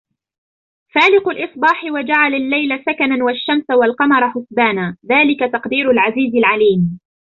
فالق الإصباح وجعل الليل سكنا والشمس والقمر حسبانا ذلك تقدير العزيز العليم